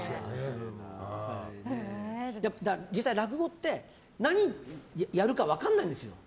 実際、落語って何をやるか分からないんですよ。